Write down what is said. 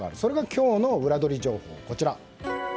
今日のウラどり情報、こちら。